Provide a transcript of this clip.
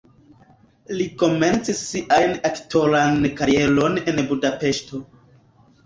Li komencis sian aktoran karieron en Budapeŝto.